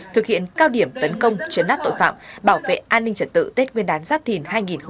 thực hiện cao điểm tấn công chấn áp tội phạm bảo vệ an ninh trật tự tết nguyên đán giáp thìn hai nghìn hai mươi bốn